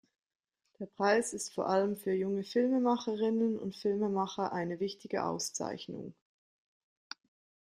Der Preis ist vor allem für junge Filmemacherinnen und Filmemacher eine wichtige Auszeichnung.